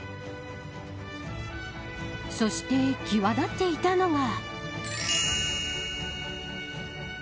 そして、際立っていたのが。